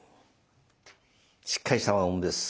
しっかりした輪ゴムです。